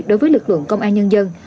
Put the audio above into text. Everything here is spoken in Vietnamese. đối với lực lượng công an nhân dân